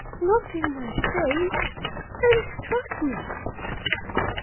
looked in my face and struck me!"